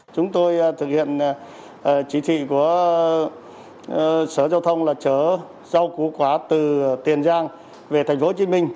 sở giao thông là chở rau củ quả từ tiền giang về thành phố